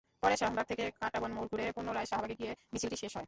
পরে শাহবাগ থেকে কাঁটাবন মোড় ঘুরে পুনরায় শাহবাগে গিয়ে মিছিলটি শেষ হয়।